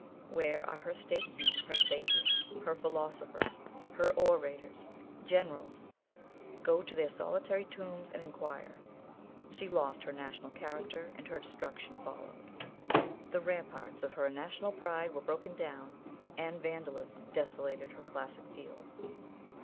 Where are her statesmen, her sages, her philosophers, her orators, generals? Go to their solitary tombs and inquire. She lost her national character, and her destruction followed. The ramparts of her national pride were broken down, and Vandalism desolated her classic fields.